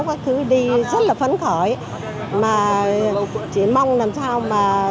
hôm nay tôi đến sea games tôi cảm nhận thấy không khí rất vui vẻ